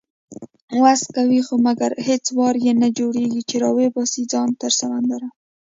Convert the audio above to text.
وس کوي خو مګر هیڅ وار یې نه جوړیږي، چې راوباسي ځان تر سمندره